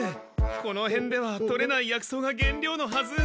このへんではとれない薬草が原料のはず。